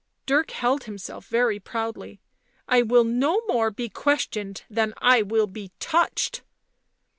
Dirk held himself very proudly. " I will no more be questioned than I will be touched."